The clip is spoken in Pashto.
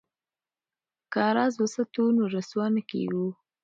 که راز وساتو نو رسوا نه کیږو.